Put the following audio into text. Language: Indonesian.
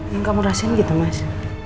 yang kamu rasain gitu mas